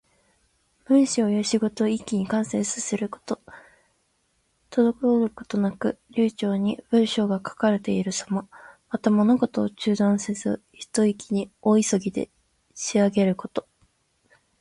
文章や仕事を一気に完成させること。滞ることなく流暢に文章が書かれているさま。また、物事を中断せずに、ひと息に大急ぎで仕上げること。